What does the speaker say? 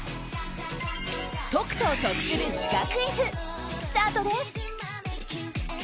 解くと得するシカクイズスタートです。